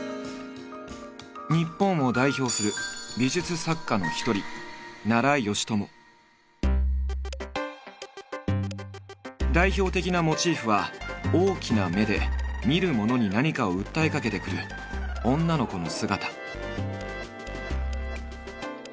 日本を代表する美術作家の一人代表的なモチーフは大きな目で見る者に何かを訴えかけてくる女の子の姿。